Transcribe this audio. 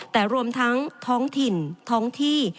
แต่รวมทั้งท้องถิ่นท้องที่